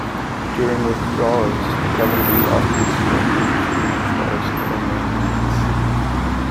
During withdrawals, the cavalry often served as a screening force for the main units.